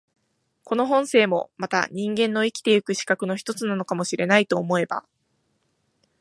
この本性もまた人間の生きて行く資格の一つなのかも知れないと思えば、